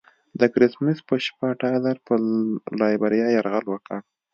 د کرسمس په شپه ټایلر پر لایبیریا یرغل وکړ.